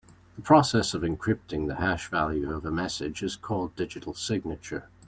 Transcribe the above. The process of encrypting the hash value of a message is called digital signature.